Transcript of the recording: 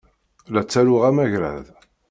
La ttaruɣ amagrad.